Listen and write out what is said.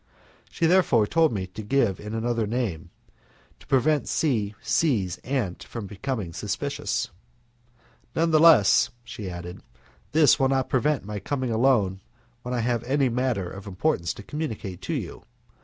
She therefore told me to give in another name, to prevent C C 's aunt from becoming suspicious. "Nevertheless," she added, "this will not prevent my coming alone when I have any matter of importance to communicate to you.